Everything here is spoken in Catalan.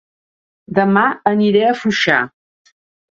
Dema aniré a Foixà